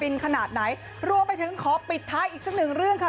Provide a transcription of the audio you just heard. ขนาดไหนรวมไปถึงขอปิดท้ายอีกสักหนึ่งเรื่องค่ะ